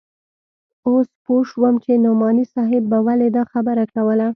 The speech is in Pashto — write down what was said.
اوس پوه سوم چې نعماني صاحب به ولې دا خبره کوله.